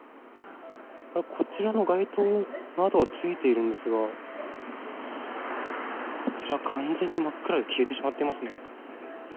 こちらの街灯などはついているんですが、こちら完全に真っ暗で消えてしまっていますね。